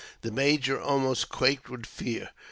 The major almost quaked with fear.